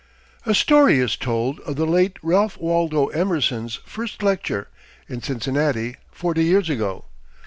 A story is told of the late Ralph Waldo Emerson's first lecture, in Cincinnati, forty years ago.